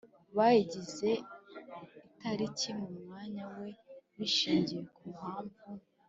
bayigize atakiri mu mwanya we bishingiye ku mpamvu